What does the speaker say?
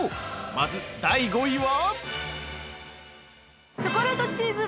まず第５位は？